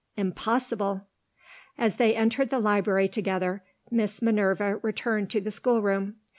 Impossible! As they entered the library together, Miss Minerva returned to the schoolroom.